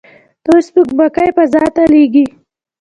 دوی سپوږمکۍ فضا ته لیږي.